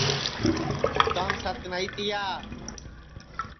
بُتام ست نائی تیا